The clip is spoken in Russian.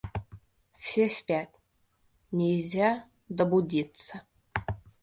— Все спят, нельзя добудиться.